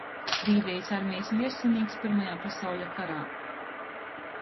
Krīvejis armejis viersinīks Pyrmajā pasauļa karā,